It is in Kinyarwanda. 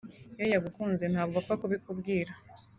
Iyo yagukunze ntabwo apfa kubikubwira